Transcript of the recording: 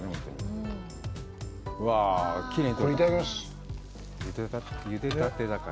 いただきます。